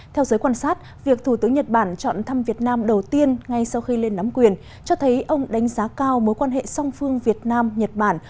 theo giới quan sát việc thủ tướng nhật bản chọn thăm việt nam đầu tiên ngay sau khi lên nắm quyền cho thấy ông đánh giá cao mối quan hệ song phương việt nam nhật bản